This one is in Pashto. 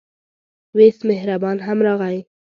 وېس مهربان هم راغی.